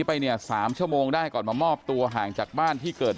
ไปเนี่ย๓ชั่วโมงได้ก่อนมามอบตัวห่างจากบ้านที่เกิด